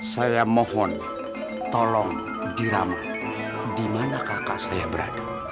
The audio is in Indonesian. saya mohon tolong diramu di mana kakak saya berada